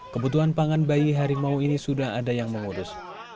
kebutuhan pangan bayi harimau ini sudah ada yang mengurus